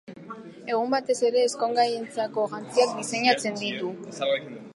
Egun, batez ere, ezkongaientzako jantziak diseinatzen ditu.